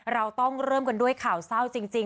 เราต้องเริ่มกันด้วยข่าวเศร้าจริง